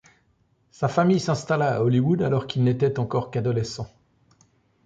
Sa famille s'installa à Hollywood alors qu'il n'était encore qu'adolescent.